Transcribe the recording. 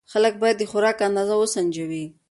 خلک باید د خوراک اندازه وسنجوي.